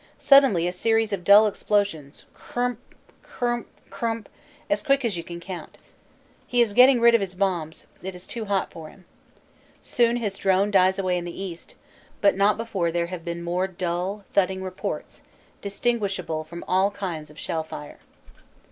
Suddenly a series of dull explosions crrmp crrmp crrmp; as quick as you can count. He is getting rid of his bombs; it is too hot for him. Soon his drone dies away in the east, but not before there have been more dull thudding reports, distinguishable from all kinds of shell fire.